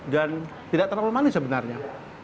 dan tidak terlalu manis sebenarnya